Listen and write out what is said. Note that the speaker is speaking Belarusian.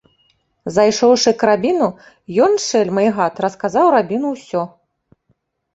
Зайшоўшы к рабіну, ён, шэльма і гад, расказаў рабіну ўсё.